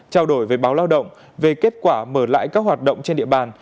trao đổi với báo lao động về kết quả mở lại các hoạt động trên địa bàn